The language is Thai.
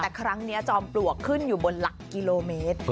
แต่ครั้งนี้จอมปลวกขึ้นอยู่บนหลักกิโลเมตร